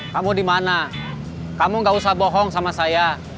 kamu dimana kamu gak usah bohong sama saya